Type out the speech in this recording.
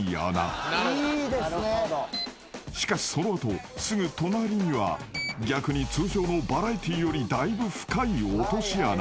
［しかしその後すぐ隣には逆に通常のバラエティーよりだいぶ深い落とし穴が］